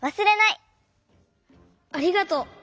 ありがとう！